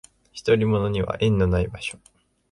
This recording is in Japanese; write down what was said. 独り者には縁のない場所